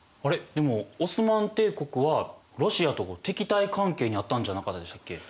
でもオスマン帝国はロシアと敵対関係にあったんじゃなかったでしたっけ？